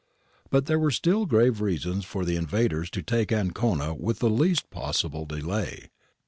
But there were still grave reasons for the invaders to take Ancona with the least possible delay.